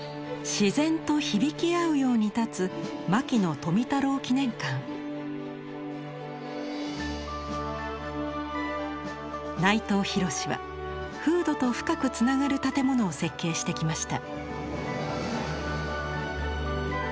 自然と響き合うように立つ内藤廣は風土と深くつながる建物を設計してきました。